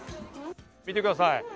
見てください。